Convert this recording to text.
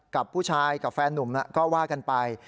กับผู้ชายกับแฟนนุ่มก็ว่ากันไป